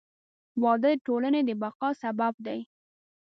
• واده د ټولنې د بقا سبب دی.